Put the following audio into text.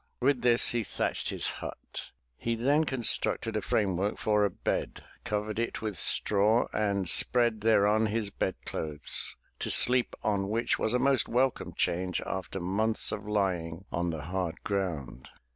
With this he thatched his hut. He then constructed a frame work for a bed, covered it with straw and spread thereon his bed clothes, to sleep on which was a most welcome change after months of lying on the hard ground.